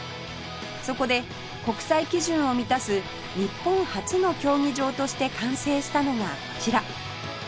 そこで国際基準を満たす日本初の競技場として完成したのがこちら